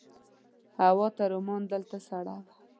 هوا تر عمان دلته سړه وه.